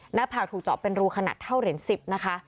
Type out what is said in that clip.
หน้าผากถูกเจาะเป็นรูขนาดเท่าเหรียญ๑๐นะคะ